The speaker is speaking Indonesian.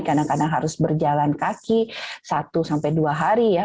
kadang kadang harus berjalan kaki satu sampai dua hari ya